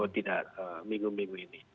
tidak minggu minggu ini